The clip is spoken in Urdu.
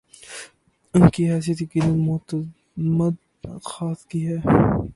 ‘ ان کی حیثیت یقینا معتمد خاص کی ہے۔